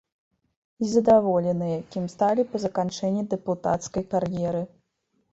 І задаволеныя, кім сталі па заканчэнні дэпутацкай кар'еры.